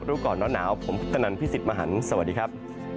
รู้ก่อนร้อนหนาวผมพุทธนันพี่สิทธิ์มหันฯสวัสดีครับ